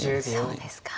そうですか。